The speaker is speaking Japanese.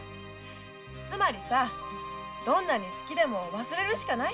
つまりさぁどんなに好きでも清さんは忘れるしかないんだよ。